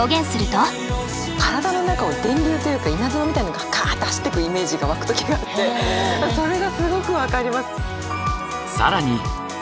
体の中を電流というか稲妻みたいのがかぁって走っていくイメージが湧く時があってそれがすごく分かります。